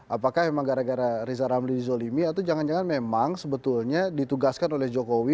apakah memang gara gara riza ramli dizolimi atau jangan jangan memang sebetulnya ditugaskan oleh jokowi